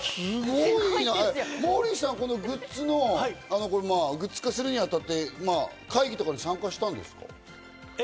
モーリーさん、このグッズをグッズ化するにあたって、会議とかに参加したんですか？